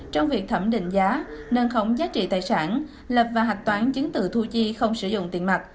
trong việc thẩm định giá nâng khống giá trị tài sản lập và hạch toán chứng tự thu chi không sử dụng tiền mặt